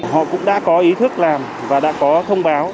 họ cũng đã có ý thức làm và đã có thông báo